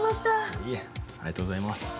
いいえ、ありがとうございます。